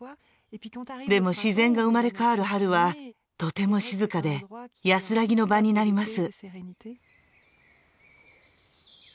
でも自然が生まれ変わる春はとても静かで安らぎの場になります。